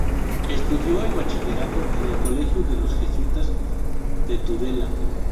Estudió el bachillerato en el colegio de los Jesuitas de Tudela.